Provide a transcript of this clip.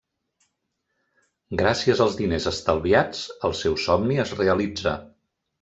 Gràcies als diners estalviats, el seu somni es realitza.